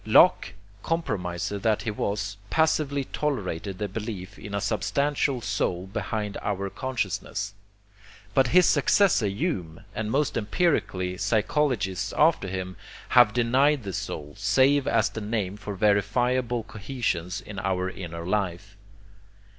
Locke, compromiser that he was, passively tolerated the belief in a substantial soul behind our consciousness. But his successor Hume, and most empirical psychologists after him, have denied the soul, save as the name for verifiable cohesions in our inner life.